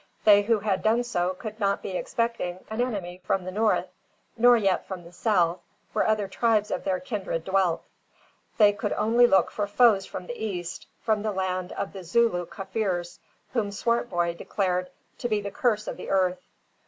They who had done so could not be expecting an enemy from the north, nor yet from the south, where other tribes of their kindred dwelt. They could only look for foes from the east, from the land of the Zooloo Kaffirs; whom Swartboy declared to be the curse of the earth.